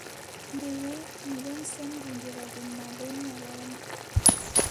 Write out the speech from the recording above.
Ndu wii: mi ɗon sendindira jemma bee nyalawma.